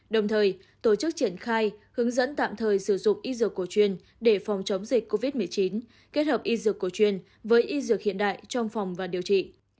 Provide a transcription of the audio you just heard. đồng thời tổ chức triển khai hướng dẫn tạm thời sử dụng y dược cổ truyền để phòng chống dịch covid một mươi chín kết hợp y dược cổ truyền với y dược hiện đại trong phòng và điều trị